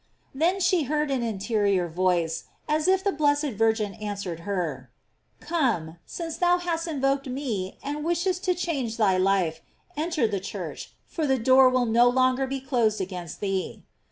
Then she heard an interior voice, as if the blessed Virgin answered her: "Come, since thou hast invoked me, and wishest to change thy life, enter the church, for the door will no longer be closed against thee."